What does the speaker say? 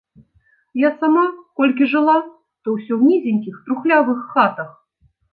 Я сама, колькі жыла, то ўсё ў нізенькіх трухлявых хатах.